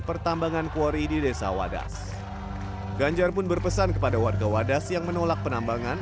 pertambangan kuori di desa wadas ganjar pun berpesan kepada warga wadas yang menolak penambangan